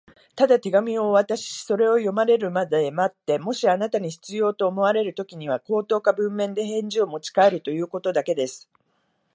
「ただ手紙をお渡しし、それを読まれるまで待って、もしあなたに必要と思われるときには、口頭か文面で返事をもちかえるということだけです」